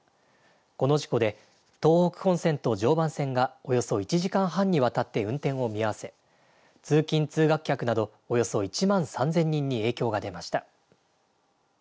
この事故で、東北本線と常磐線がおよそ１時間半にわたって運転を見合わせ通勤、通学客などおよそ１万３０００人に影響が出ました。